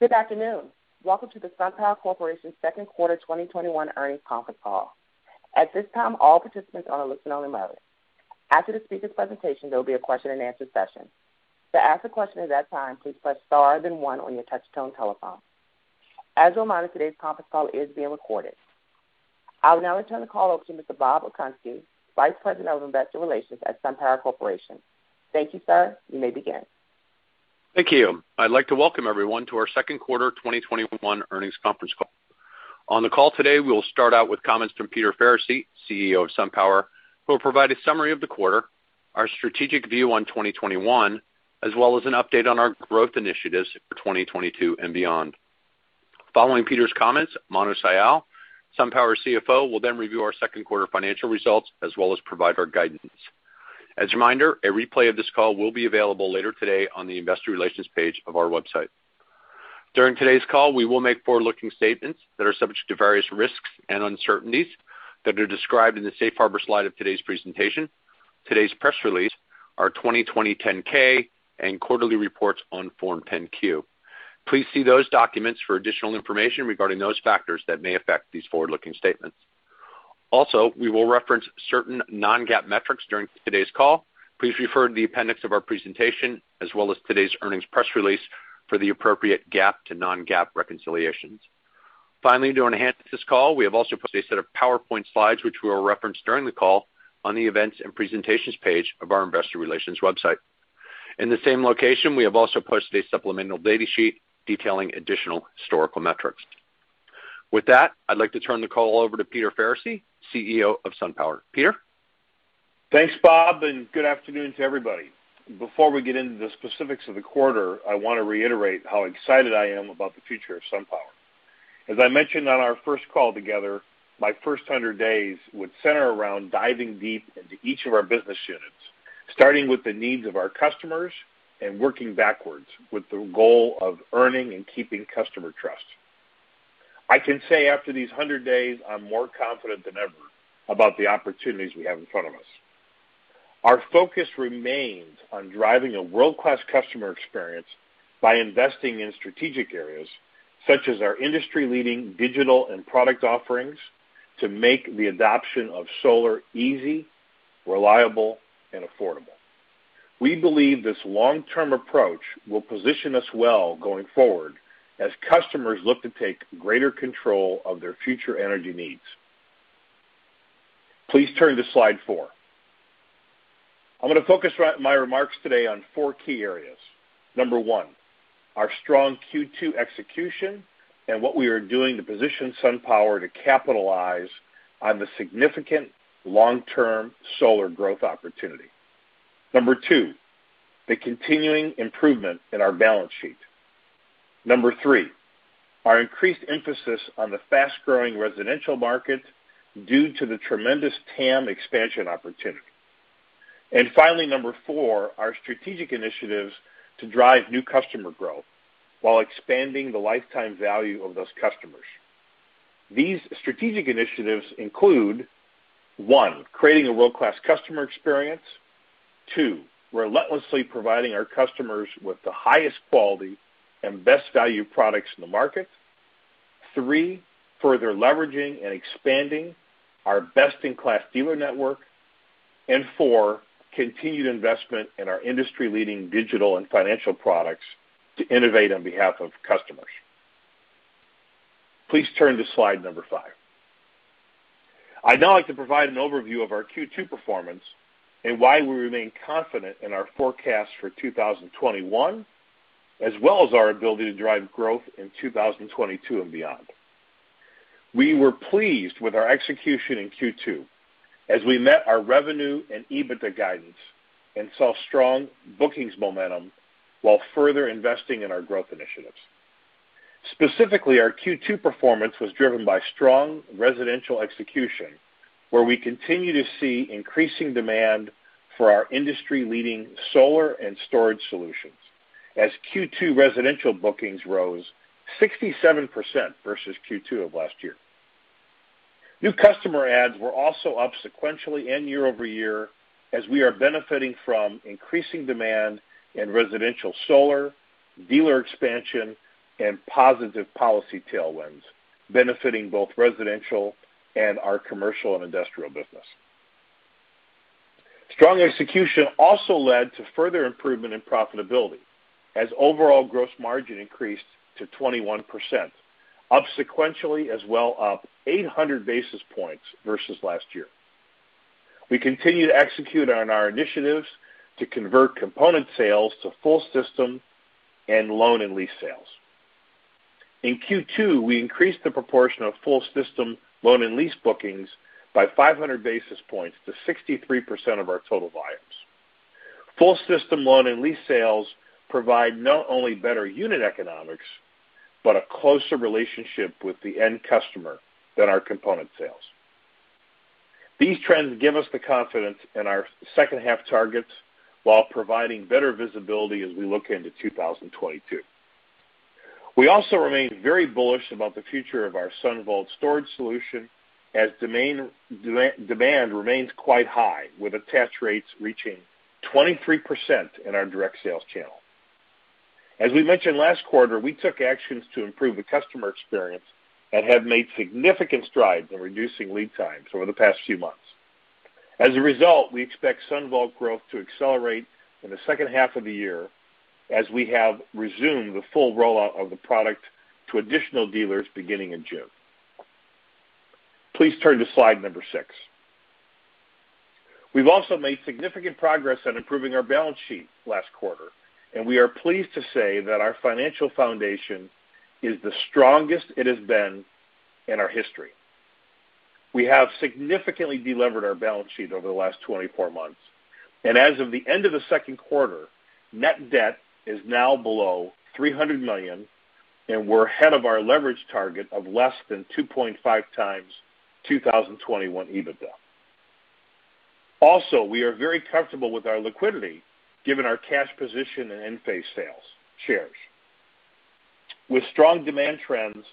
Good afternoon. Welcome to the SunPower Corporation second quarter 2021 earnings conference call. At this time, all participants are on a listen-only mode. After the speaker's presentation, there will be a question and answer session. To ask a question at that time, please press star then one on your touch-tone telephone. As a reminder, today's conference call is being recorded. I will now turn the call over to Mr. Bob Okunski, Vice President of Investor Relations at SunPower Corporation. Thank you, sir. You may begin. Thank you. I'd like to welcome everyone to our second quarter 2021 earnings conference call. On the call today, we will start out with comments from Peter Faricy, CEO of SunPower, who will provide a summary of the quarter, our strategic view on 2021, as well as an update on our growth initiatives for 2022 and beyond. Following Peter's comments, Manu Sial, SunPower's CFO, will then review our second quarter financial results as well as provide our guidance. As a reminder, a replay of this call will be available later today on the investor relations page of our website. During today's call, we will make forward-looking statements that are subject to various risks and uncertainties that are described in the safe harbor slide of today's presentation, today's press release, our 2020 10-K, and quarterly reports on Form 10-Q. Please see those documents for additional information regarding those factors that may affect these forward-looking statements. Also, we will reference certain non-GAAP metrics during today's call. Please refer to the appendix of our presentation as well as today's earnings press release for the appropriate GAAP to non-GAAP reconciliations. Finally, to enhance this call, we have also posted a set of PowerPoint slides which we will reference during the call on the Events and Presentations page of our investor relations website. In the same location, we have also posted a supplemental data sheet detailing additional historical metrics. With that, I'd like to turn the call over to Peter Faricy, CEO of SunPower. Peter? Thanks, Bob, and good afternoon to everybody. Before we get into the specifics of the quarter, I want to reiterate how excited I am about the future of SunPower. As I mentioned on our first call together, my first 100 days would center around diving deep into each of our business units, starting with the needs of our customers and working backwards with the goal of earning and keeping customer trust. I can say after these 100 days, I'm more confident than ever about the opportunities we have in front of us. Our focus remains on driving a world-class customer experience by investing in strategic areas such as our industry-leading digital and product offerings to make the adoption of solar easy, reliable, and affordable. We believe this long-term approach will position us well going forward as customers look to take greater control of their future energy needs. Please turn to slide four. I'm going to focus my remarks today on four key areas. Number one, our strong Q2 execution and what we are doing to position SunPower to capitalize on the significant long-term solar growth opportunity. Number two, the continuing improvement in our balance sheet. Number three, our increased emphasis on the fast-growing Residential market due to the tremendous TAM expansion opportunity. Finally, number four, our strategic initiatives to drive new customer growth while expanding the lifetime value of those customers. These strategic initiatives include, one, creating a world-class customer experience. Two, relentlessly providing our customers with the highest quality and best value products in the market. Three, further leveraging and expanding our best-in-class dealer network. Four, continued investment in our industry-leading digital and financial products to innovate on behalf of customers. Please turn to slide number five. I'd now like to provide an overview of our Q2 performance and why we remain confident in our forecast for 2021, as well as our ability to drive growth in 2022 and beyond. We were pleased with our execution in Q2 as we met our revenue and EBITDA guidance and saw strong bookings momentum while further investing in our growth initiatives. Specifically, our Q2 performance was driven by strong Residential execution, where we continue to see increasing demand for our industry-leading solar and storage solutions as Q2 Residential bookings rose 67% versus Q2 of last year. New customer adds were also up sequentially and year-over-year as we are benefiting from increasing demand in Residential solar, dealer expansion, and positive policy tailwinds, benefiting both Residential and our Commercial and Industrial business. Strong execution also led to further improvement in profitability as overall gross margin increased to 21%, up sequentially, as well up 800 basis points versus last year. We continue to execute on our initiatives to convert component sales to full system and loan and lease sales. In Q2, we increased the proportion of full system loan and lease bookings by 500 basis points to 63% of our total volumes. Full system loan and lease sales provide not only better unit economics, but a closer relationship with the end customer than our component sales. These trends give us the confidence in our second half targets while providing better visibility as we look into 2022. We also remain very bullish about the future of our SunVault storage solution as demand remains quite high, with attach rates reaching 23% in our direct sales channel. As we mentioned last quarter, we took actions to improve the customer experience and have made significant strides in reducing lead times over the past few months. As a result, we expect SunVault growth to accelerate in the second half of the year, as we have resumed the full rollout of the product to additional dealers beginning in June. Please turn to slide number six. We've also made significant progress on improving our balance sheet last quarter, and we are pleased to say that our financial foundation is the strongest it has been in our history. We have significantly delevered our balance sheet over the last 24 months. As of the end of the second quarter, net debt is now below $300 million, and we're ahead of our leverage target of less than 2.5 times 2021 EBITDA. We are very comfortable with our liquidity given our cash position and Enphase shares. With strong demand trends,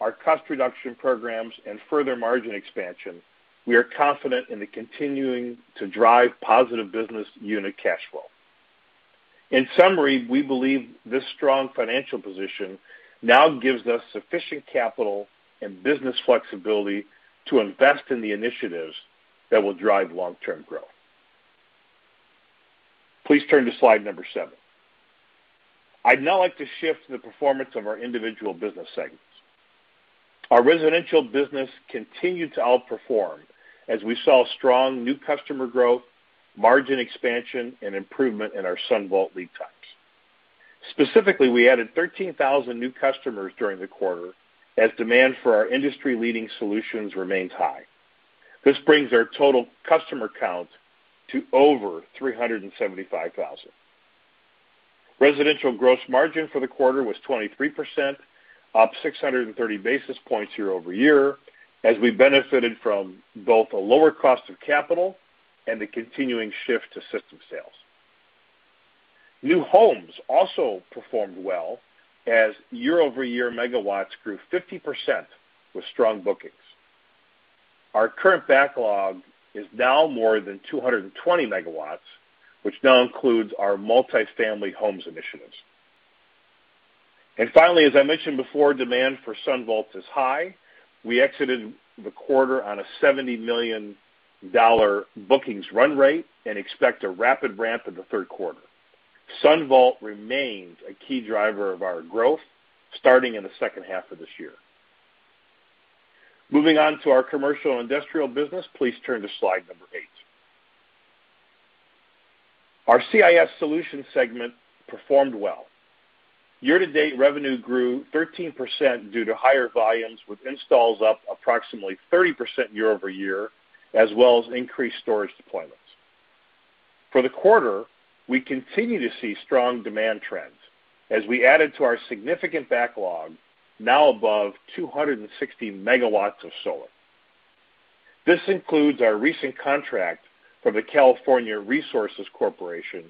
our cost reduction programs, and further margin expansion, we are confident in the continuing to drive positive business unit cash flow. In summary, we believe this strong financial position now gives us sufficient capital and business flexibility to invest in the initiatives that will drive long-term growth. Please turn to slide number seven. I'd now like to shift to the performance of our individual business segments. Our Residential business continued to outperform as we saw strong new customer growth, margin expansion, and improvement in our SunVault lead times. Specifically, we added 13,000 new customers during the quarter, as demand for our industry-leading solutions remains high. This brings our total customer count to over 375,000. Residential gross margin for the quarter was 23%, up 630 basis points year-over-year, as we benefited from both a lower cost of capital and the continuing shift to system sales. New homes also performed well as year-over-year megawatts grew 50% with strong bookings. Our current backlog is now more than 220 MW, which now includes our multi-family homes initiatives. Finally, as I mentioned before, demand for SunVault is high. We exited the quarter on a $70 million bookings run rate and expect a rapid ramp in the third quarter. SunVault remains a key driver of our growth starting in the second half of this year. Moving on to Commercial and Industrial business, please turn to slide number eight. Our C&I Solutions segment performed well. Year-to-date revenue grew 13% due to higher volumes, with installs up approximately 30% year-over-year, as well as increased storage deployments. For the quarter, we continue to see strong demand trends as we added to our significant backlog, now above 260 MW of solar. This includes our recent contract from the California Resources Corporation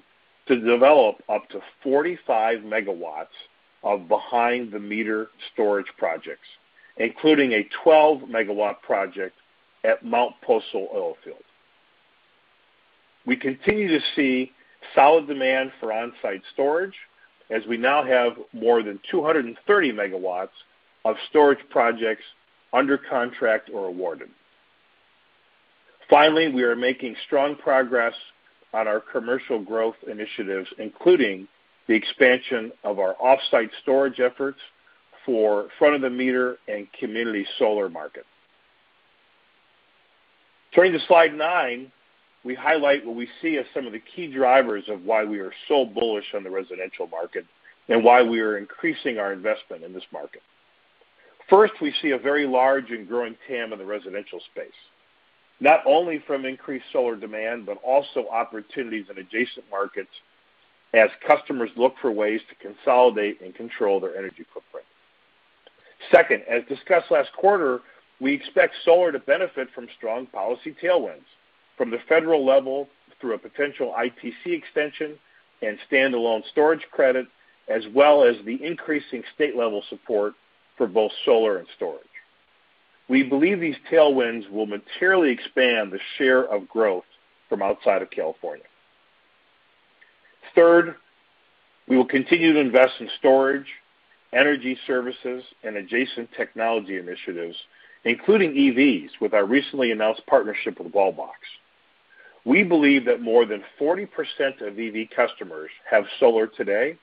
to develop up to 45 MW of behind-the-meter storage projects, including a 12 MW project at Mount Poso oil field. We continue to see solid demand for on-site storage as we now have more than 230 MW of storage projects under contract or awarded. We are making strong progress on our Commercial growth initiatives, including the expansion of our off-site storage efforts for front-of-the-meter and community solar market. Turning to slide nine, we highlight what we see as some of the key drivers of why we are so bullish on the Residential market and why we are increasing our investment in this market. First, we see a very large and growing TAM in the Residential space, not only from increased solar demand, but also opportunities in adjacent markets as customers look for ways to consolidate and control their energy footprint. Second, as discussed last quarter, we expect solar to benefit from strong policy tailwinds from the federal level through a potential ITC extension and standalone storage credit, as well as the increasing state-level support for both solar and storage. We believe these tailwinds will materially expand the share of growth from outside of California. Third, we will continue to invest in storage, energy services, and adjacent technology initiatives, including EVs with our recently announced partnership with Wallbox. We believe that more than 40% of EV customers have solar today,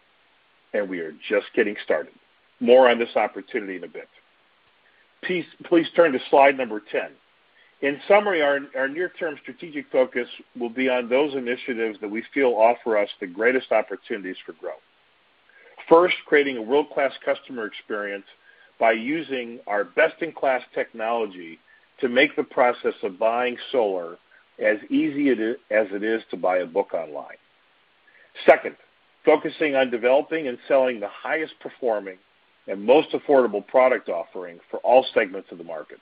and we are just getting started. More on this opportunity in a bit. Please turn to slide number 10. In summary, our near-term strategic focus will be on those initiatives that we feel offer us the greatest opportunities for growth. First, creating a world-class customer experience by using our best-in-class technology to make the process of buying solar as easy as it is to buy a book online. Second, focusing on developing and selling the highest performing and most affordable product offering for all segments of the market.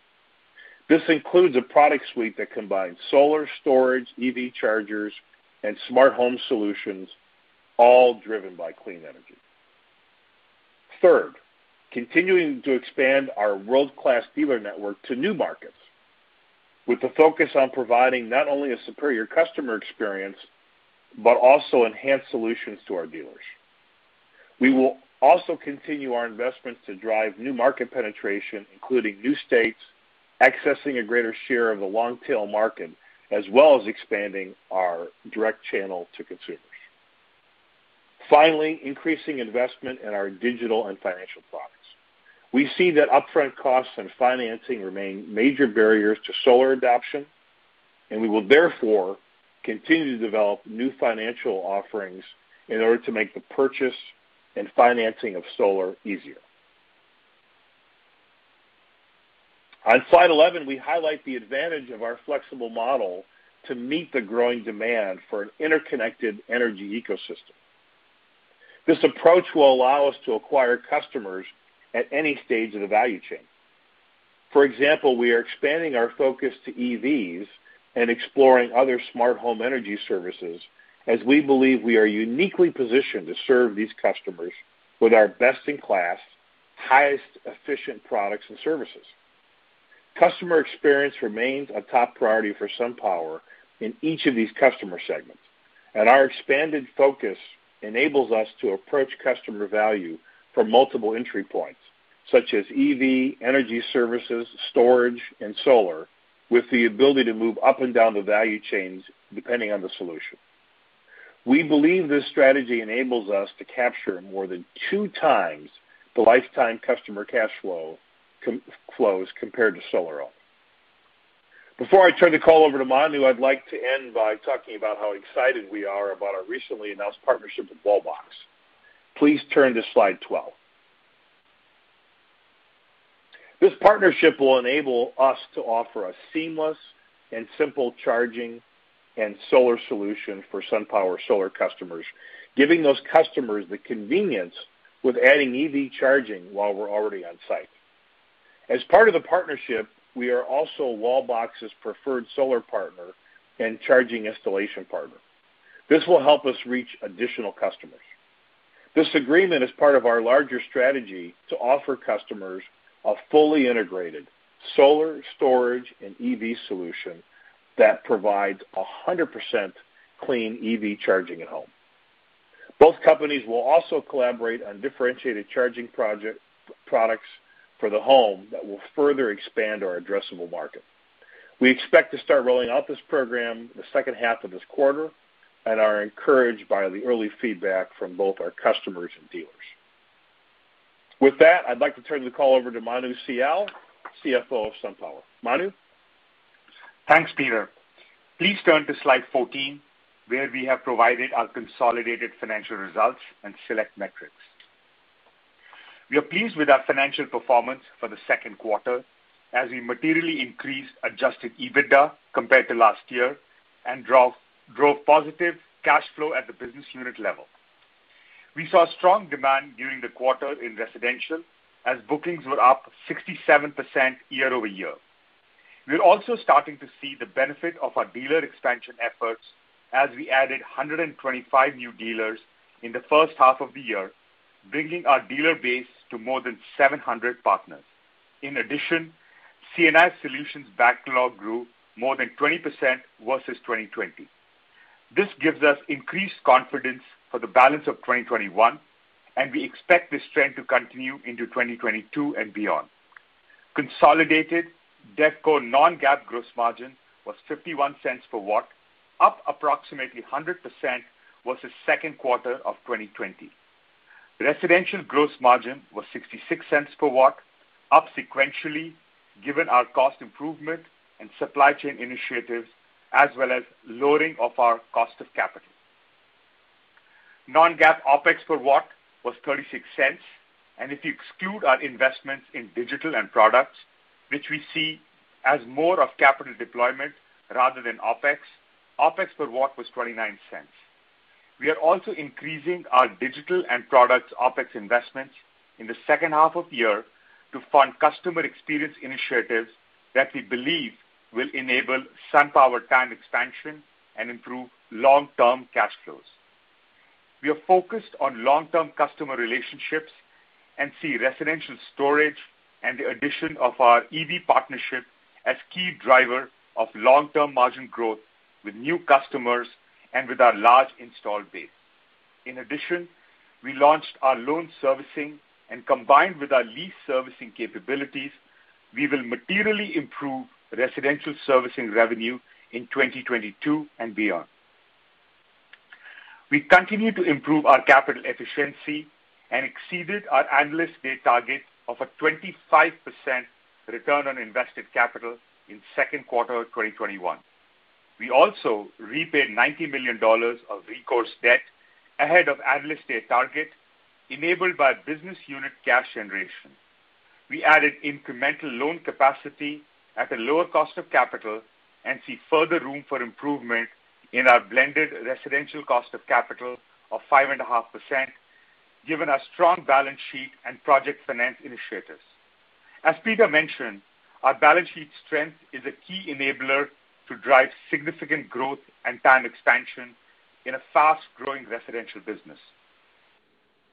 This includes a product suite that combines solar storage, EV chargers, and smart home solutions, all driven by clean energy. Third, continuing to expand our world-class dealer network to new markets, with a focus on providing not only a superior customer experience, but also enhanced solutions to our dealers. We will also continue our investments to drive new market penetration, including new states, accessing a greater share of the long-tail market, as well as expanding our direct channel to consumers. Increasing investment in our digital and financial products. We see that upfront costs and financing remain major barriers to solar adoption, and we will therefore continue to develop new financial offerings in order to make the purchase and financing of solar easier. On slide 11, we highlight the advantage of our flexible model to meet the growing demand for an interconnected energy ecosystem. This approach will allow us to acquire customers at any stage of the value chain. For example, we are expanding our focus to EVs and exploring other smart home energy services as we believe we are uniquely positioned to serve these customers with our best-in-class, highest efficient products and services. Customer experience remains a top priority for SunPower in each of these customer segments, and our expanded focus enables us to approach customer value from multiple entry points, such as EV, energy services, storage, and solar, with the ability to move up and down the value chains depending on the solution. We believe this strategy enables us to capture more than two times the lifetime customer cash flow compared to solar only. Before I turn the call over to Manu, I'd like to end by talking about how excited we are about our recently announced partnership with Wallbox. Please turn to slide 12. This partnership will enable us to offer a seamless and simple charging and solar solution for SunPower solar customers, giving those customers the convenience with adding EV charging while we're already on site. As part of the partnership, we are also Wallbox's preferred solar partner and charging installation partner. This will help us reach additional customers. This agreement is part of our larger strategy to offer customers a fully integrated solar, storage, and EV solution that provides 100% clean EV charging at home. Both companies will also collaborate on differentiated charging products for the home that will further expand our addressable market. We expect to start rolling out this program the second half of this quarter and are encouraged by the early feedback from both our customers and dealers. With that, I'd like to turn the call over to Manu Sial, CFO of SunPower. Manu? Thanks, Peter. Please turn to slide 14, where we have provided our consolidated financial results and select metrics. We are pleased with our financial performance for the second quarter as we materially increased Adjusted EBITDA compared to last year and drove positive cash flow at the business unit level. We saw strong demand during the quarter in Residential as bookings were up 67% year-over-year. We're also starting to see the benefit of our dealer expansion efforts as we added 125 new dealers in the first half of the year, bringing our dealer base to more than 700 partners. In addition, C&I Solutions backlog grew more than 20% versus 2020. This gives us increased confidence for the balance of 2021, and we expect this trend to continue into 2022 and beyond. Consolidated debt core non-GAAP gross margin was $0.51 per watt, up approximately 100% versus second quarter of 2020. Residential gross margin was $0.66 per watt, up sequentially given our cost improvement and supply chain initiatives as well as lowering of our cost of capital. Non-GAAP OpEx per watt was $0.36, and if you exclude our investments in digital and products, which we see as more of capital deployment rather than OpEx per watt was $0.29. We are also increasing our digital and products OpEx investments in the second half of the year to fund customer experience initiatives that we believe will enable SunPower TAM expansion and improve long-term cash flows. We are focused on long-term customer relationships and see Residential storage and the addition of our EV partnership as key driver of long-term margin growth with new customers and with our large install base. In addition, we launched our loan servicing, and combined with our lease servicing capabilities, we will materially improve Residential servicing revenue in 2022 and beyond. We continue to improve our capital efficiency and exceeded our Analyst Day target of a 25% return on invested capital in second quarter 2021. We also repaid $90 million of recourse debt ahead of Analyst Day target, enabled by business unit cash generation. We added incremental loan capacity at a lower cost of capital and see further room for improvement in our blended Residential cost of capital of 5.5%. Given our strong balance sheet and project finance initiatives. As Peter mentioned, our balance sheet strength is a key enabler to drive significant growth and time expansion in a fast-growing Residential business.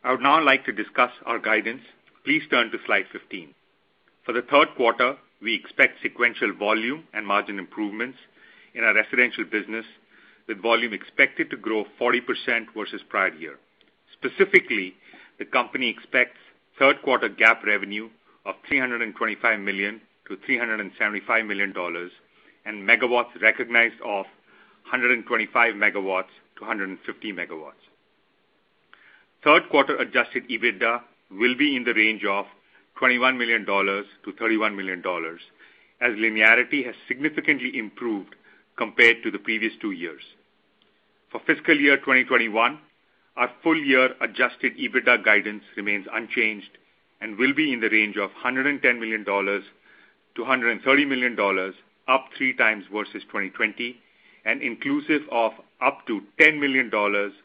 I would now like to discuss our guidance. Please turn to slide 15. For the third quarter, we expect sequential volume and margin improvements in our Residential business, with volume expected to grow 40% versus prior year. Specifically, the company expects third quarter GAAP revenue of $325 million-$375 million, and megawatts recognized of 125 MW-150 MW. Third quarter Adjusted EBITDA will be in the range of $21 million-$31 million, as linearity has significantly improved compared to the previous two years. For fiscal year 2021, our full year adjusted EBITDA guidance remains unchanged and will be in the range of $110 million-$130 million, up three times versus 2020 and inclusive of up to $10 million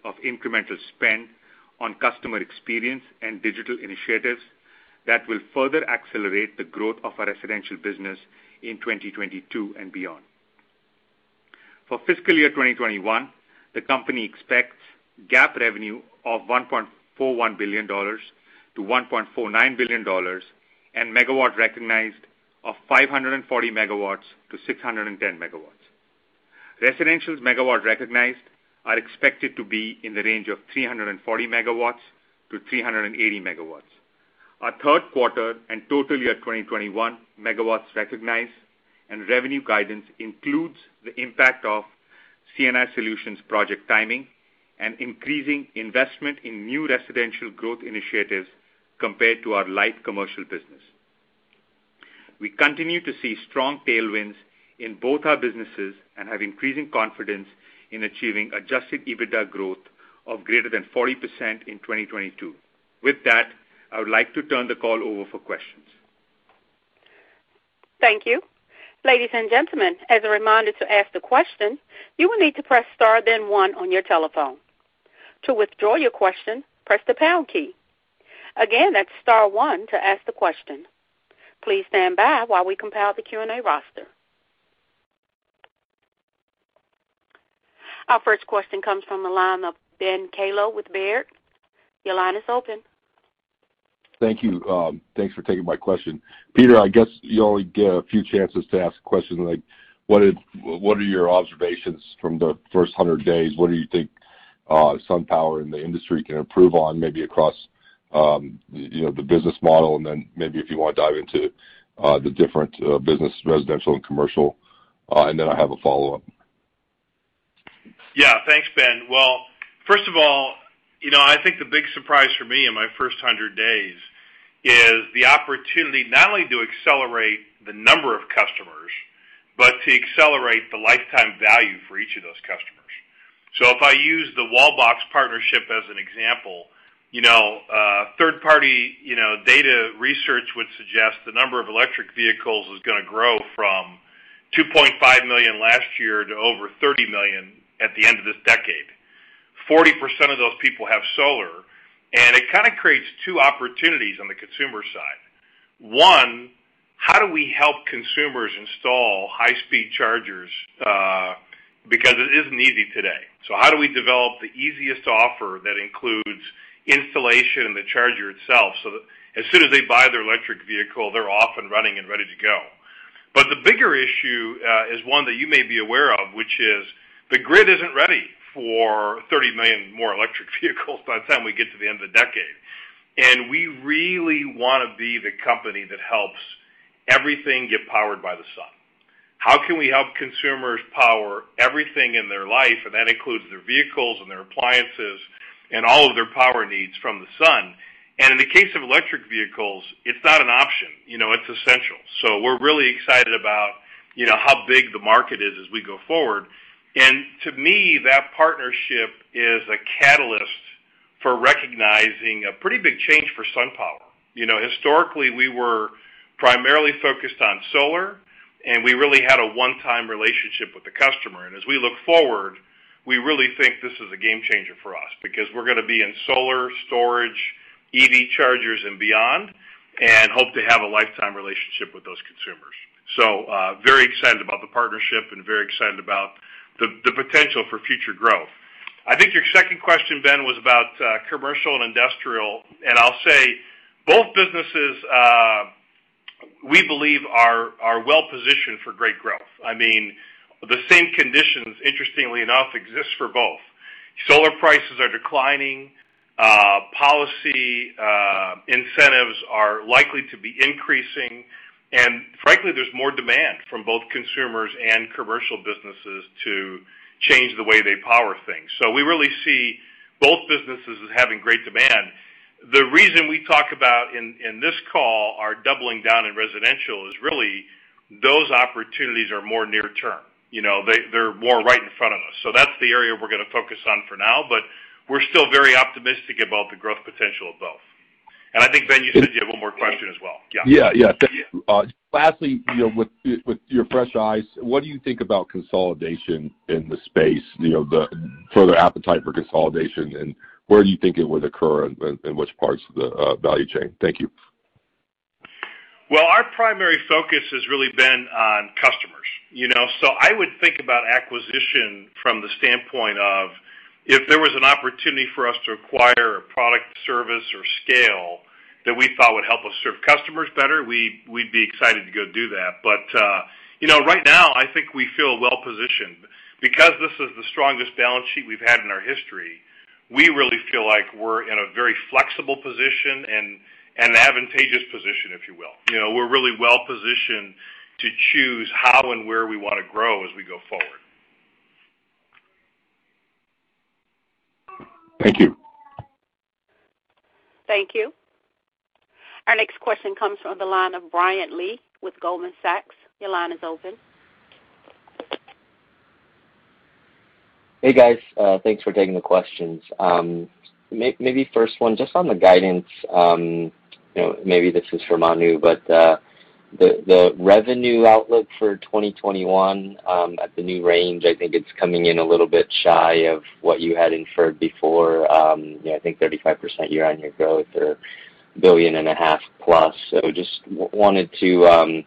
of incremental spend on customer experience and digital initiatives that will further accelerate the growth of our Residential business in 2022 and beyond. For fiscal year 2021, the company expects GAAP revenue of $1.41 billion-$1.49 billion and megawatt recognized of 540 MW-610 MW. Residential's megawatt recognized are expected to be in the range of 340 MW-380 MW. Our third quarter and total year 2021 megawatt recognized and revenue guidance includes the impact of C&I Solutions project timing and increasing investment in new Residential growth initiatives compared to our Light Commercial business. We continue to see strong tailwinds in both our businesses and have increasing confidence in achieving Adjusted EBITDA growth of greater than 40% in 2022. With that, I would like to turn the call over for questions. Thank you. Ladies and gentlemen, as a reminder to ask the question, you will need to press star then one on your telephone. To withdraw your question, press the pound key. Again, that's star one to ask the question. Please stand by while we compile the Q&A roster. Our first question comes from the line of Ben Kallo with Baird. Your line is open. Thank you. Thanks for taking my question. Peter, I guess you only get a few chances to ask questions like, what are your observations from the first 100 days? What do you think SunPower and the industry can improve on, maybe across the business model? Then maybe if you want to dive into the different business, Residential and Commercial and then I have a follow-up. Yeah. Thanks, Ben. Well, first of all, I think the big surprise for me in my first 100 days is the opportunity not only to accelerate the number of customers, but to accelerate the lifetime value for each of those customers. If I use the Wallbox partnership as an example, third party data research would suggest the number of electric vehicles is going to grow from 2.5 million last year to over 30 million at the end of this decade. 40% of those people have solar, it kind of creates two opportunities on the consumer side. One, how do we help consumers install high-speed chargers? Because it isn't easy today. How do we develop the easiest offer that includes installation and the charger itself, so that as soon as they buy their electric vehicle, they're off and running and ready to go. The bigger issue is one that you may be aware of, which is the grid isn't ready for 30 million more electric vehicles by the time we get to the end of the decade. We really want to be the company that helps everything get powered by the sun. How can we help consumers power everything in their life, and that includes their vehicles and their appliances and all of their power needs from the sun? In the case of electric vehicles, it's not an option, it's essential. We're really excited about how big the market is as we go forward. To me, that partnership is a catalyst for recognizing a pretty big change for SunPower. Historically, we were primarily focused on solar, and we really had a one-time relationship with the customer. As we look forward, we really think this is a game changer for us because we're going to be in solar, storage, EV chargers and beyond, and hope to have a lifetime relationship with those consumers. Very excited about the partnership and very excited about the potential for future growth. I think your second question, Ben, was about Commercial and Industrial. I'll say both businesses, we believe are well-positioned for great growth. I mean, the same conditions, interestingly enough, exist for both. Solar prices are declining. Policy incentives are likely to be increasing. Frankly, there's more demand from both consumers and Commercial businesses to change the way they power things. We really see both businesses as having great demand. The reason we talk about in this call are doubling down in Residential is really those opportunities are more near term. They're more right in front of us. That's the area we're going to focus on for now, but we're still very optimistic about the growth potential of both. I think, Ben, you said you have one more question as well. Yeah. Yeah. Thank you. Lastly, with your fresh eyes, what do you think about consolidation in the space? The further appetite for consolidation, and where do you think it would occur, in which parts of the value chain? Thank you. Our primary focus has really been on customers. I would think about acquisition from the standpoint of, if there was an opportunity for us to acquire a product, service, or scale that we thought would help us serve customers better, we'd be excited to go do that. Right now, I think we feel well-positioned. This is the strongest balance sheet we've had in our history, we really feel like we're in a very flexible position and an advantageous position, if you will. We're really well-positioned to choose how and where we want to grow as we go forward. Thank you. Thank you. Our next question comes from the line of Brian Lee with Goldman Sachs. Your line is open. Hey, guys. Thanks for taking the questions. Maybe first one, just on the guidance. This is for Manu, the revenue outlook for 2021 at the new range, I think it's coming in a little bit shy of what you had inferred before. I think 35% year-over-year growth or a billion and a half plus. Just wanted to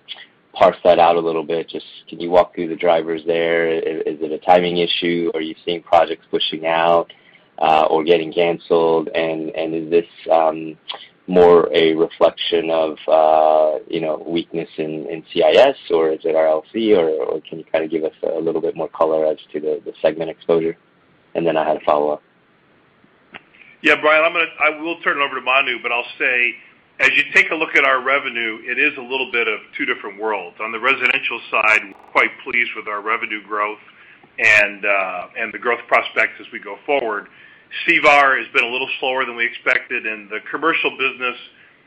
parse that out a little bit. Just can you walk through the drivers there? Is it a timing issue? Are you seeing projects pushing out or getting canceled? Is this more a reflection of weakness in CIS, or is it RLC, or can you kind of give us a little bit more color as to the segment exposure? I had a follow-up. Yeah. Brian, I will turn it over to Manu, I'll say, as you take a look at our revenue, it is a little bit of two different worlds. On the Residential side, we're quite pleased with our revenue growth and the growth prospects as we go forward. SunVault has been a little slower than we expected, and the Commercial business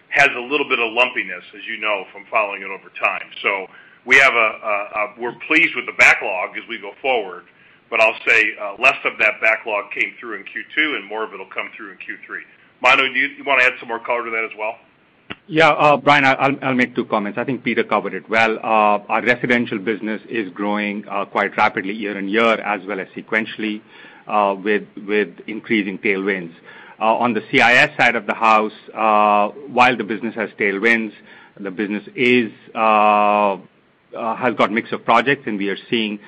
has a little bit of lumpiness, as you know from following it over time. We're pleased with the backlog as we go forward, I'll say less of that backlog came through in Q2, and more of it'll come through in Q3. Manu, do you want to add some more color to that as well? Yeah. Brian, I'll make two comments. I think Peter covered it well. Our Residential business is growing quite rapidly year-on-year, as well as sequentially, with increasing tailwinds. On the C&I side of the house, while the business has tailwinds, the business has got mix of projects, and we are seeing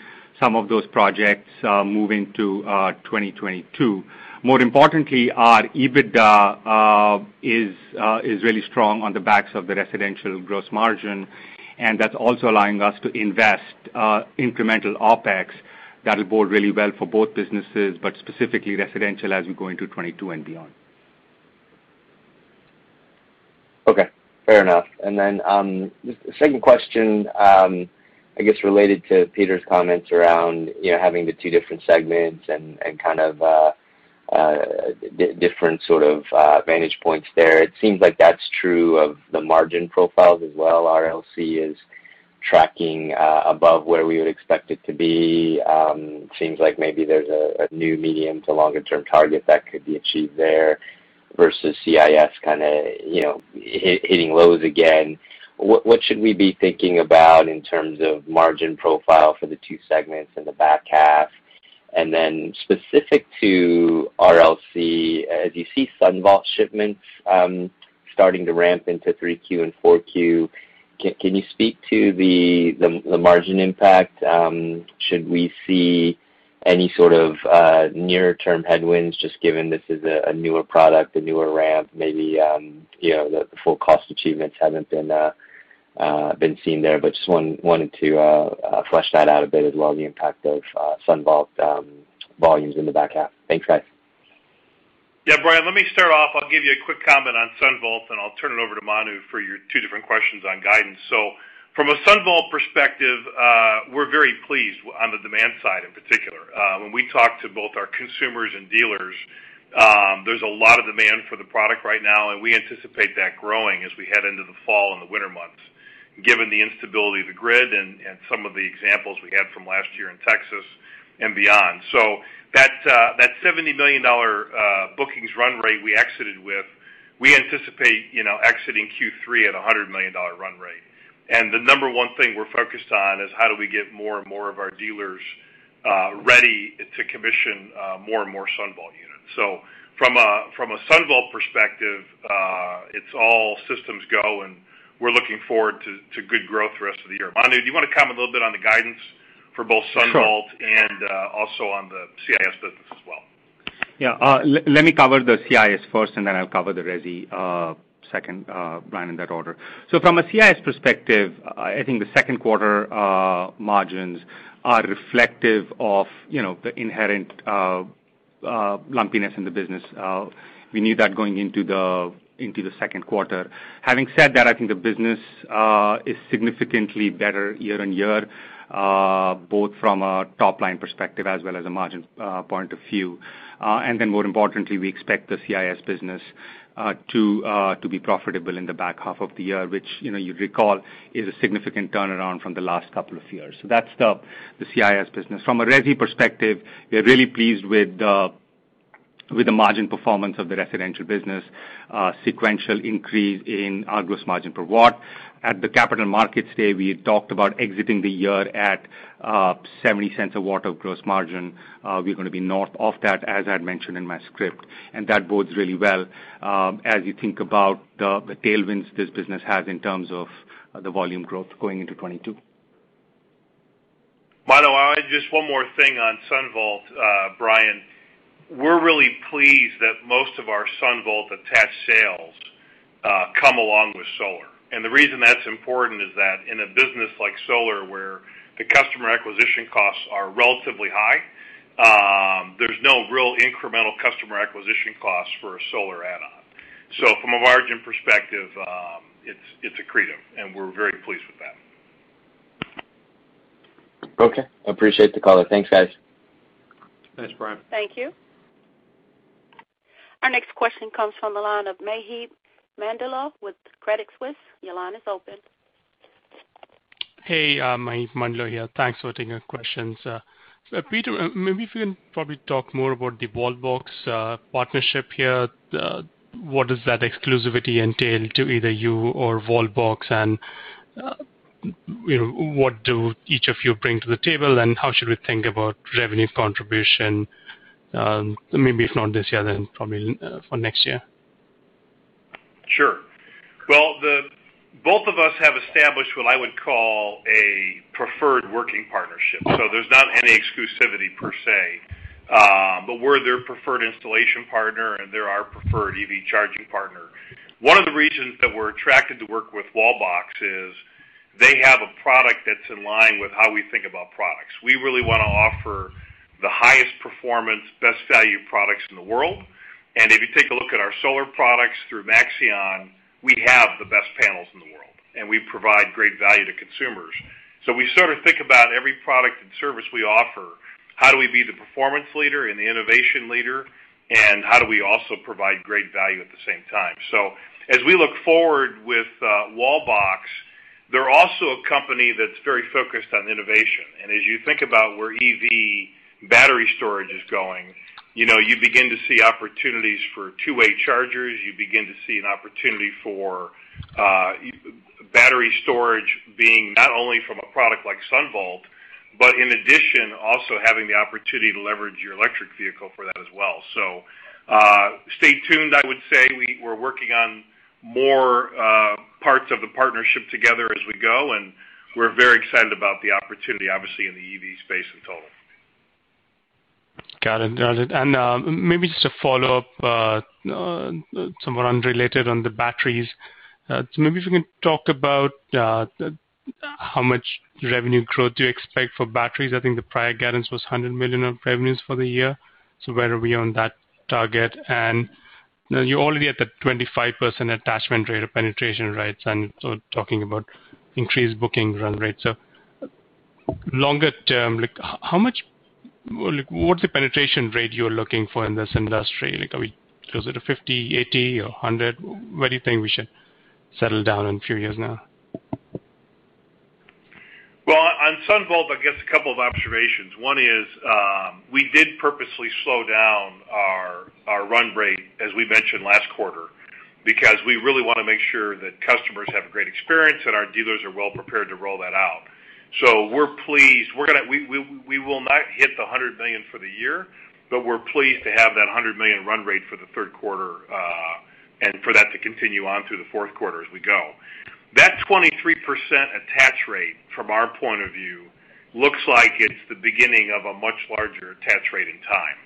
some of those projects moving to 2022. More importantly, our EBITDA is really strong on the backs of the Residential gross margin, and that's also allowing us to invest incremental OpEx that'll bode really well for both businesses, but specifically Residential as we go into 2022 and beyond. Okay. Fair enough. The second question, I guess related to Peter's comments around having the two different segments and kind of different sort of vantage points there. It seems like that's true of the margin profiles as well. RLC is tracking above where we would expect it to be. Seems like maybe there's a new medium to longer-term target that could be achieved there versus CIS kind of hitting lows again. What should we be thinking about in terms of margin profile for the two segments in the back half? Specific to RLC, as you see SunVault shipments starting to ramp into 3Q and 4Q, can you speak to the margin impact? Should we see any sort of near-term headwinds, just given this is a newer product, a newer ramp, maybe the full cost achievements haven't been seen there. Just wanted to flesh that out a bit as well, the impact of SunVault volumes in the back half. Thanks, guys. Brian, let me start off. I'll give you a quick comment on SunVault, and I'll turn it over to Manu for your two different questions on guidance. From a SunVault perspective, we're very pleased on the demand side, in particular. When we talk to both our consumers and dealers, there's a lot of demand for the product right now, and we anticipate that growing as we head into the fall and the winter months, given the instability of the grid and some of the examples we had from last year in Texas and beyond. That $70 million bookings run rate we exited with, we anticipate exiting Q3 at $100 million run rate. The number one thing we're focused on is how do we get more and more of our dealers ready to commission more and more SunVault units. From a SunVault perspective, it's all systems go, and we're looking forward to good growth the rest of the year. Manu, do you want to comment a little bit on the guidance for both SunVault and also on the C&I business as well? Let me cover the C&I first, and then I'll cover the Resi second, Brian Lee, in that order. From a C&I perspective, I think the second quarter margins are reflective of the inherent lumpiness in the business. We knew that going into the second quarter. Having said that, I think the business is significantly better year-on-year, both from a top-line perspective as well as a margin point of view. More importantly, we expect the C&I business to be profitable in the back half of the year, which you recall is a significant turnaround from the last couple of years. That's the C&I business. From a Resi perspective, we are really pleased with the margin performance of the Residential business, sequential increase in our gross margin per watt. At the capital markets day, we had talked about exiting the year at $0.70 a watt of gross margin. We're going to be north of that, as I had mentioned in my script. That bodes really well as you think about the tailwinds this business has in terms of the volume growth going into 2022. Manu, just one more thing on SunVault, Brian. We're really pleased that most of our SunVault attached sales come along with solar. The reason that's important is that in a business like solar, where the customer acquisition costs are relatively high, there's no real incremental customer acquisition costs for a solar add-on. From a margin perspective, it's accretive, and we're very pleased with that. Okay, appreciate the color. Thanks, guys. Thanks, Brian. Thank you. Our next question comes from the line of Maheep Mandloi with Credit Suisse. Your line is open. Hey, Maheep Mandloi here. Thanks for taking the questions. Peter, maybe if you can probably talk more about the Wallbox partnership here. What does that exclusivity entail to either you or Wallbox? What do each of you bring to the table, and how should we think about revenue contribution? Maybe if not this year, then probably for next year. Sure. Well, the both of us have established what I would call a preferred working partnership. There's not any exclusivity per se. We're their preferred installation partner, and they're our preferred EV charging partner. One of the reasons that we're attracted to work with Wallbox is they have a product that's in line with how we think about products. We really want to offer the highest performance, best value products in the world. If you take a look at our solar products through Maxeon, we have the best panels in the world, and we provide great value to consumers. We sort of think about every product and service we offer, how do we be the performance leader and the innovation leader, and how do we also provide great value at the same time? As we look forward with Wallbox, they're also a company that's very focused on innovation. As you think about where EV battery storage is going, you begin to see opportunities for two-way chargers. You begin to see an opportunity for battery storage being not only from a product like SunVault, but in addition, also having the opportunity to leverage your electric vehicle for that as well. Stay tuned, I would say. We're working on more parts of the partnership together as we go, and we're very excited about the opportunity, obviously, in the EV space in total. Got it. Maybe just a follow-up, somewhat unrelated on the batteries. Maybe if you can talk about how much revenue growth do you expect for batteries? I think the prior guidance was $100 million of revenues for the year. Where are we on that target? And you're already at the 25% attachment rate or penetration rates and talking about increased booking run rates. Longer term, what's the penetration rate you're looking for in this industry? Is it a 50%, 80%, or 100%? Where do you think we should settle down in a few years now? Well, on SunVault, I guess a couple of observations. One is, we did purposely slow down our run rate, as we mentioned last quarter, because we really want to make sure that customers have a great experience and our dealers are well prepared to roll that out. We're pleased. We will not hit the $100 million for the year, but we're pleased to have that $100 million run rate for the third quarter, and for that to continue on through the fourth quarter as we go. That 23% attach rate, from our point of view, looks like it's the beginning of a much larger attach rate in time.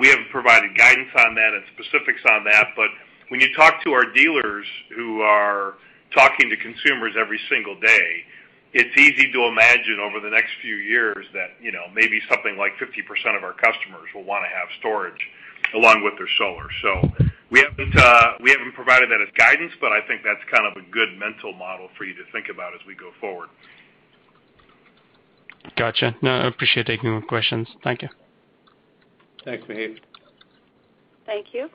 We haven't provided guidance on that and specifics on that. When you talk to our dealers who are talking to consumers every single day, it's easy to imagine over the next few years that maybe something like 50% of our customers will want to have storage along with their solar. We haven't provided that as guidance, but I think that's kind of a good mental model for you to think about as we go forward. Got you. No, I appreciate taking my questions. Thank you. Thanks, Maheep. Thank you.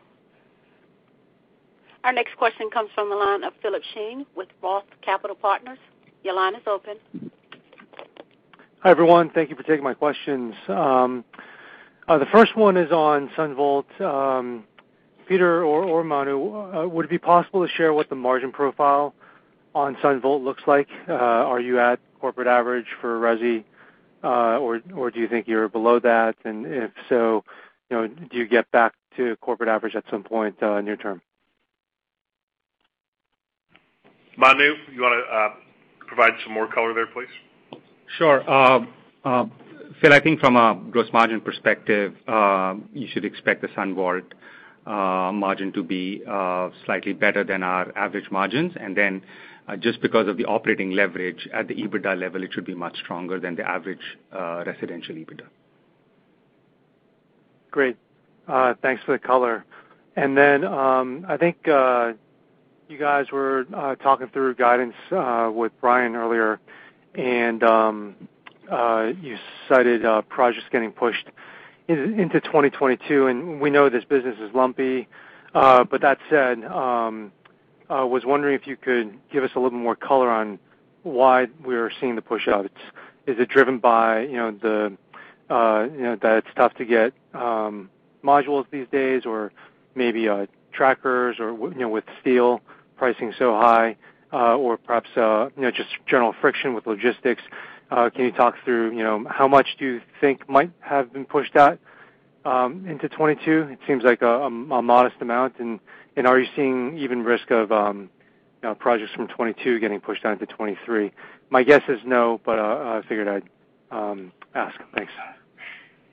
Our next question comes from the line of Philip Shen with Roth Capital Partners. Your line is open. Hi, everyone. Thank you for taking my questions. The first one is on SunVault. Peter or Manu, would it be possible to share what the margin profile on SunVault looks like? Are you at corporate average for Resi, or do you think you're below that? If so, do you get back to corporate average at some point near term? Manu, you want to provide some more color there, please? Sure. Philip, I think from a gross margin perspective, you should expect the SunVault margin to be slightly better than our average margins. Then just because of the operating leverage at the EBITDA level, it should be much stronger than the average Residential EBITDA. Great. Thanks for the color. I think you guys were talking through guidance with Brian earlier, and you cited projects getting pushed into 2022. We know this business is lumpy. That said, I was wondering if you could give us a little more color on why we're seeing the pushouts. Is it driven by that it's tough to get modules these days, or maybe trackers or with steel pricing so high, or perhaps just general friction with logistics? Can you talk through how much do you think might have been pushed out into 2022? It seems like a modest amount. Are you seeing even risk of projects from 2022 getting pushed out into 2023? My guess is no, but I figured I'd ask. Thanks.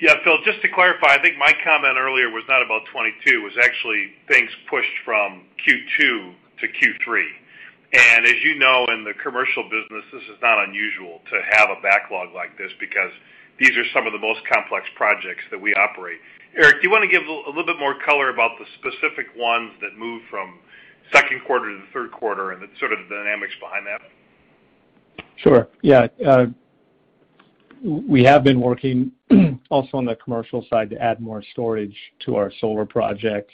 Yeah, Philip, just to clarify, I think my comment earlier was not about 2022. It was actually things pushed from Q2 to Q3. As you know, in the Commercial business, this is not unusual to have a backlog like this because these are some of the most complex projects that we operate. Eric, do you want to give a little bit more color about the specific ones that moved from second quarter to the third quarter and the sort of dynamics behind that? Sure. Yeah. We have been working also on the Commercial side to add more storage to our solar projects.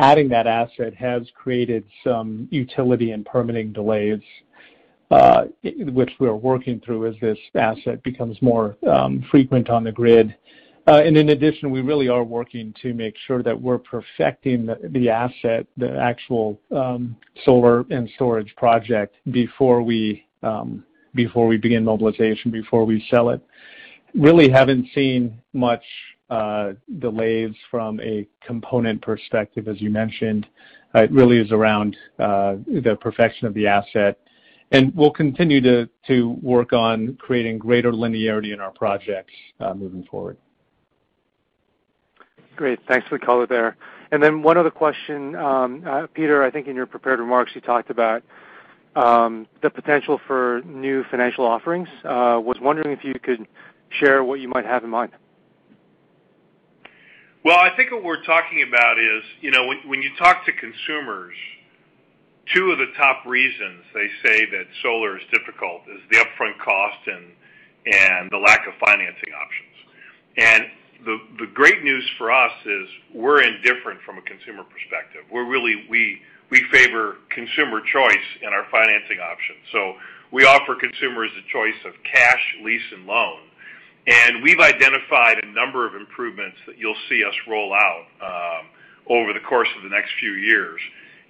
Adding that asset has created some utility and permitting delays, which we're working through as this asset becomes more frequent on the grid. In addition, we really are working to make sure that we're perfecting the asset, the actual solar and storage project before we begin mobilization, before we sell it. Really haven't seen much delays from a component perspective, as you mentioned. It really is around the perfection of the asset. We'll continue to work on creating greater linearity in our projects moving forward. Great. Thanks for the color there. One other question. Peter, I think in your prepared remarks, you talked about the potential for new financial offerings. I was wondering if you could share what you might have in mind. I think what we're talking about is when you talk to consumers, two of the top reasons they say that solar is difficult is the upfront cost and the lack of financing options. The great news for us is we're indifferent from a consumer perspective. We favor consumer choice in our financing options. We offer consumers a choice of cash, lease, and loan. We've identified a number of improvements that you'll see us roll out over the course of the next few years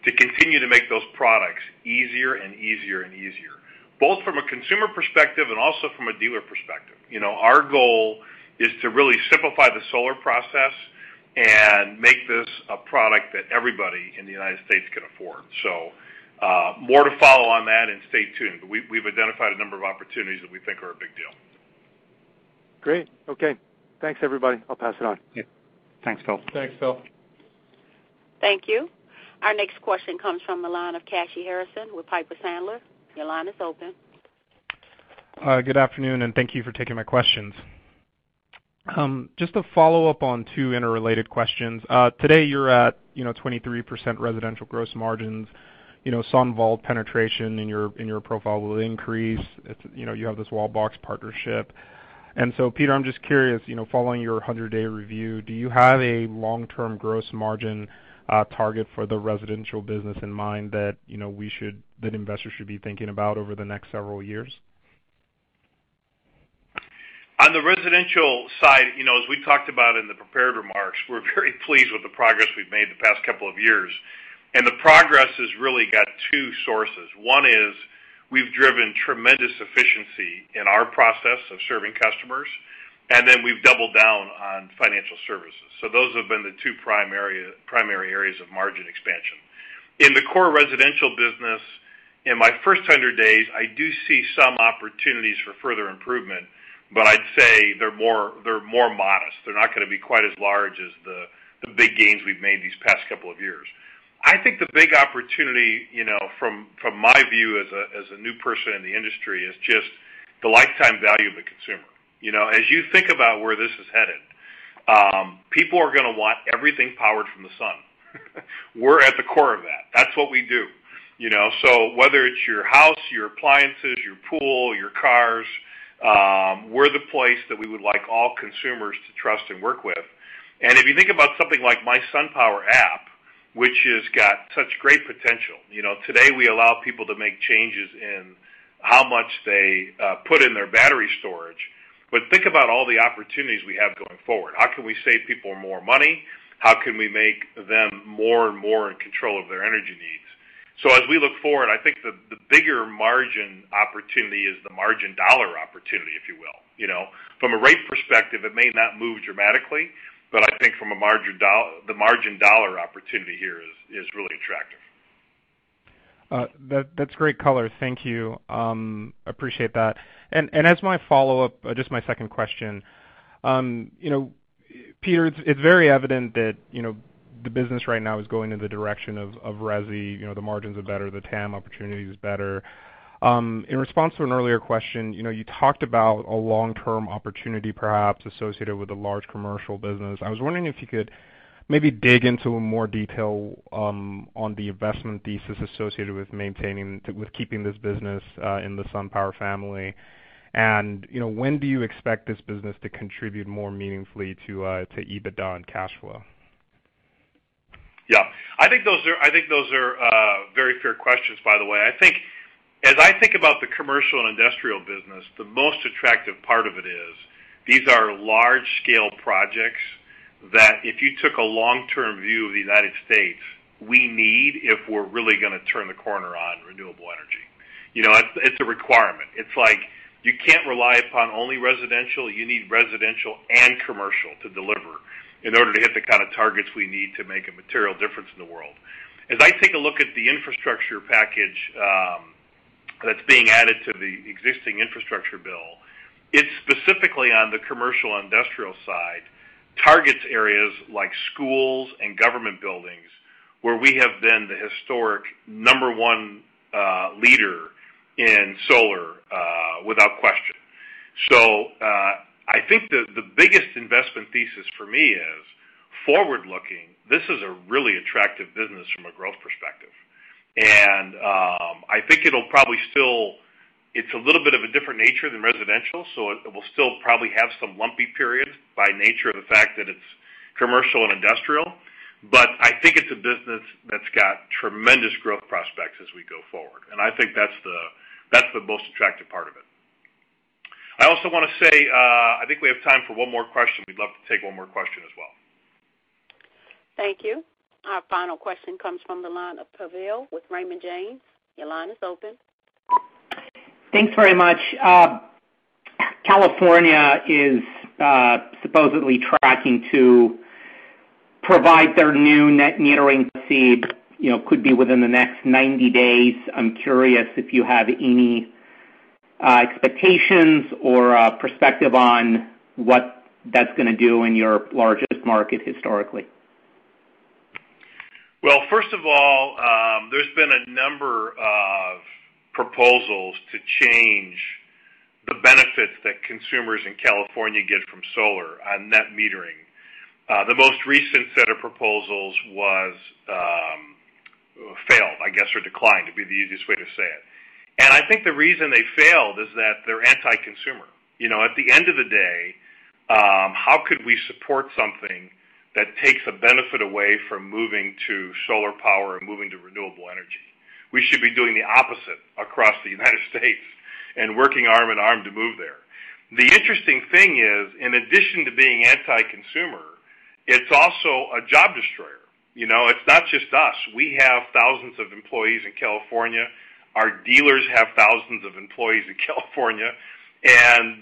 to continue to make those products easier and easier, both from a consumer perspective and also from a dealer perspective. Our goal is to really simplify the solar process and make this a product that everybody in the United States can afford. More to follow on that and stay tuned, but we've identified a number of opportunities that we think are a big deal. Great. Okay. Thanks, everybody. I'll pass it on. Yeah. Thanks, Phil. Thanks, Phil. Thank you. Our next question comes from the line of Kashy Harrison with Piper Sandler. Your line is open. Good afternoon, and thank you for taking my questions. Just to follow up on two interrelated questions. Today, you're at 23% Residential gross margins. SunVault penetration in your profile will increase. You have this Wallbox partnership. Peter, I'm just curious, following your 100-day review, do you have a long-term gross margin target for the Residential business in mind that investors should be thinking about over the next several years? On the Residential side, as we talked about in the prepared remarks, we're very pleased with the progress we've made the past couple of years. The progress has really got two sources. One is we've driven tremendous efficiency in our process of serving customers, we've doubled down on financial services. Those have been the two primary areas of margin expansion. In the core Residential business, in my first 100 days, I do see some opportunities for further improvement, I'd say they're more modest. They're not going to be quite as large as the big gains we've made these past couple of years. I think the big opportunity from my view as a new person in the industry is just the lifetime value of the consumer. As you think about where this is headed, people are going to want everything powered from the sun. We're at the core of that. That's what we do. Whether it's your house, your appliances, your pool, your cars, we're the place that we would like all consumers to trust and work with. If you think about something like mySunPower app, which has got such great potential. Today we allow people to make changes in how much they put in their battery storage. Think about all the opportunities we have going forward. How can we save people more money? How can we make them more and more in control of their energy needs? As we look forward, I think the bigger margin opportunity is the margin dollar opportunity, if you will. From a rate perspective, it may not move dramatically, but I think the margin dollar opportunity here is really attractive. That's great color. Thank you. Appreciate that. As my follow-up, just my second question. Peter, it's very evident that the business right now is going in the direction of Resi. The margins are better. The TAM opportunity is better. In response to an earlier question, you talked about a long-term opportunity perhaps associated with a large Commercial business. I was wondering if you could maybe dig into more detail on the investment thesis associated with keeping this business in the SunPower family. When do you expect this business to contribute more meaningfully to EBITDA and cash flow? I think those are very fair questions, by the way. As I think about the Commercial and Industrial business, the most attractive part of it is these are large-scale projects that if you took a long-term view of the U.S., we need if we're really going to turn the corner on renewable energy. It's a requirement. It's like you can't rely upon only Residential. You need Residential and Commercial to deliver in order to hit the kind of targets we need to make a material difference in the world. As I take a look at the infrastructure package that's being added to the existing infrastructure bill, it's specifically on the Commercial and Industrial side, targets areas like schools and government buildings, where we have been the historic number one leader in solar without question. I think the biggest investment thesis for me is forward-looking. This is a really attractive business from a growth perspective. I think it's a little bit of a different nature than Residential, so it will still probably have some lumpy periods by nature of the fact that it's Commercial and Industrial. I think it's a business that's got tremendous growth prospects as we go forward. I think that's the most attractive part of it. I also want to say I think we have time for one more question. We'd love to take one more question as well. Thank you. Our final question comes from the line of Pavel with Raymond James. Your line is open. Thanks very much. California is supposedly tracking to provide their new net metering feed could be within the next 90 days. I'm curious if you have any expectations or perspective on what that's going to do in your largest market historically. Well, first of all, there's been a number of proposals to change the benefits that consumers in California get from solar on net metering. The most recent set of proposals failed, I guess, or declined, would be the easiest way to say it. I think the reason they failed is that they're anti-consumer. At the end of the day, how could we support something that takes a benefit away from moving to solar power and moving to renewable energy? We should be doing the opposite across the United States and working arm in arm to move there. The interesting thing is, in addition to being anti-consumer, it's also a job destroyer. It's not just us. We have thousands of employees in California. Our dealers have thousands of employees in California.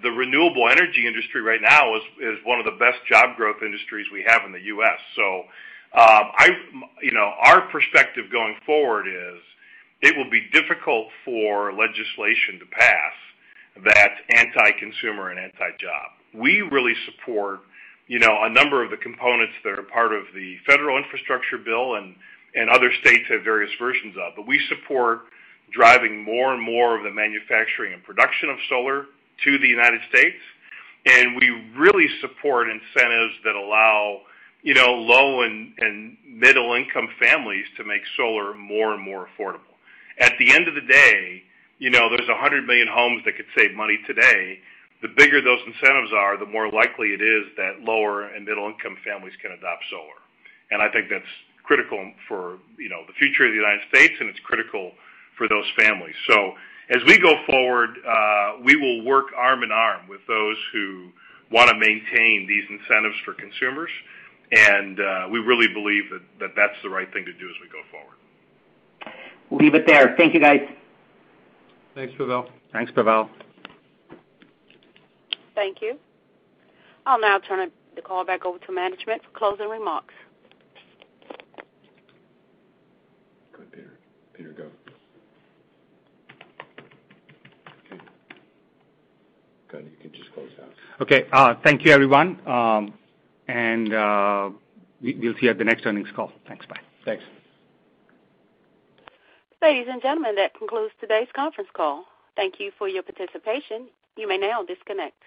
The renewable energy industry right now is one of the best job growth industries we have in the U.S. Our perspective going forward is it will be difficult for legislation to pass that's anti-consumer and anti-job. We really support a number of the components that are part of the federal infrastructure bill and other states have various versions of. We support driving more and more of the manufacturing and production of solar to the United States. We really support incentives that allow low and middle-income families to make solar more and more affordable. At the end of the day, there's 100 million homes that could save money today. The bigger those incentives are, the more likely it is that lower and middle-income families can adopt solar. I think that's critical for the future of the United States, and it's critical for those families. As we go forward, we will work arm in arm with those who want to maintain these incentives for consumers, and we really believe that that's the right thing to do as we go forward. We'll leave it there. Thank you, guys. Thanks, Pavel. Thanks, Pavel. Thank you. I'll now turn the call back over to management for closing remarks. Go ahead, Peter. Peter, go. Okay, good. You can just close out. Okay. Thank you, everyone and we'll see you at the next earnings call. Thanks. Bye. Thanks. Ladies and gentlemen, that concludes today's conference call. Thank you for your participation. You may now disconnect.